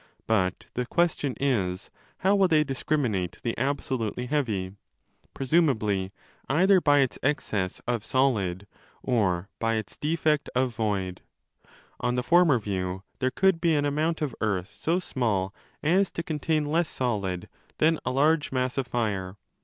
But the question is, how will they discriminate the absolutely heavy? Pre sumably, either by its excess of solid or by its defect 309" of void. On the former view there could be an amount of earth so small as to contain less solid than a large mass of fire.